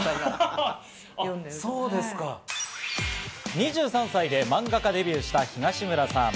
２３歳で漫画家デビューした東村さん。